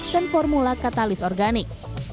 dan formula katalis organik